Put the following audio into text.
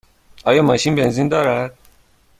آیا ماشین بنزین دارد؟